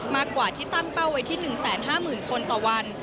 มากกว่าที่ตั้งเป้าไว้ที่๑๕๐๐๐คนต่อวัน